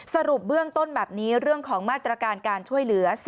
สรุปเบื้องต้นแบบนี้เรื่องของมาตรการการช่วยเหลือ